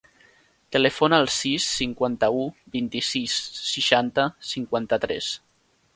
Telefona al sis, cinquanta-u, vint-i-sis, seixanta, cinquanta-tres.